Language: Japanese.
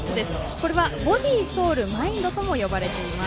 これはボディー、ソウル、マインドとも呼ばれています。